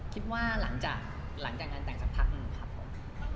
คิดว่าหลังจากหลังจากงานแต่งสักพักครับผม